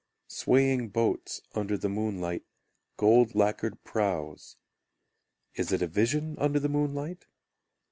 Swaying boats Under the moonlight, Gold lacquered prows. Is it a vision Under the moonlight?